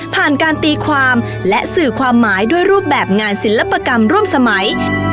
การตีความและสื่อความหมายด้วยรูปแบบงานศิลปกรรมร่วมสมัย